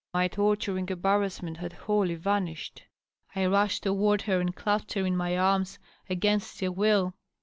My torturing embEirrassment had wholly vanished. I rushed toward her and clasped her in my arms, against her will.